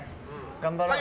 頑張ろうね。